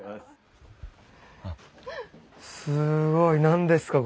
すごい何ですか？